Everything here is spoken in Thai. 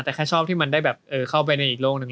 แต่แค่ชอบที่มันได้แบบเข้าไปในอีกโลกหนึ่ง